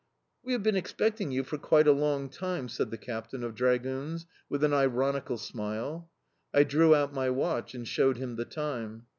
"We have been expecting you for quite a long time," said the captain of dragoons, with an ironical smile. I drew out my watch and showed him the time.